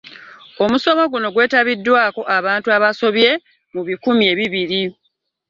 Omusomo guno gwetabiddwako abantu abasobye mu bikumi ebibiri